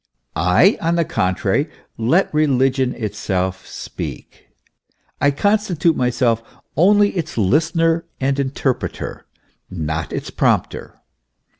I, on the contrary, let religion itself speak; I constitute myself only its listener and interpreter, not its prompter.